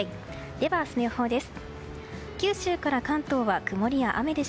では、明日の予報です。